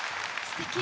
すてき。